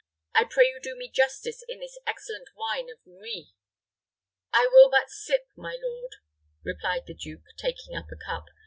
"I pray you do me justice in this excellent wine of Nuits." "I will but sip, my lord," replied the duke, taking up a cup.